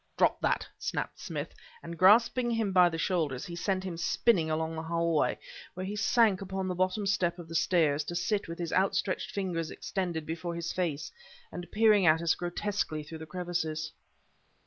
"Drop that!" snapped Smith, and grasping him by the shoulders, he sent him spinning along the hallway, where he sank upon the bottom step of the stairs, to sit with his outstretched fingers extended before his face, and peering at us grotesquely through the crevices.